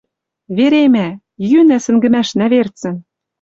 Веремӓ! Йӱнӓ сӹнгӹмӓшнӓ верцӹн!